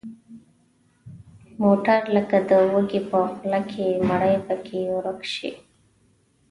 موټر لکه د وږي په خوله کې مړۍ پکې ورک شو.